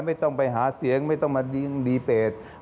ไม่ต้องไปหาเสียงไม่ต้องมายิงดีเปต